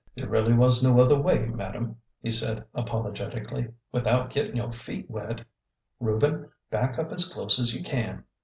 " There really was no other way, madam," he said apologetically, " without gettin' yo' feet wet. Reuben, back up as close as you can.